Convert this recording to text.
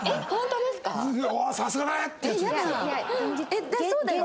えっそうだよね。